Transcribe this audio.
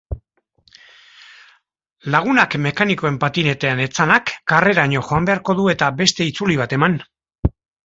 Lagunak mekanikoen patinetean etzanak karreraino joan beharko du eta beste itzuli bat eman.